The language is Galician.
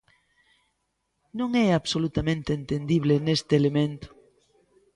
Non é absolutamente entendible neste elemento.